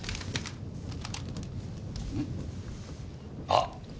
あっ！